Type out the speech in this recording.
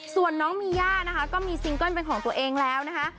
ส่วนน้องมีย่าก็มีซิงค์แก้ลเป็นของตัวเอง